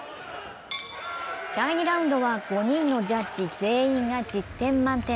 第２ラウンドは５人のジャッジ全員が１０点満点。